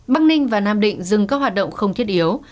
bắc ninh và nam định dừng các hoạt động không thiết yếu